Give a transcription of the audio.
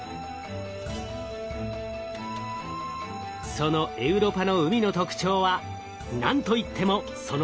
そのエウロパの海の特徴は何と言ってもその深さです。